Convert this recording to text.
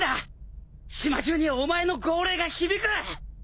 島中にお前の号令が響く！